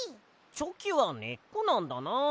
」チョキはねっこなんだな。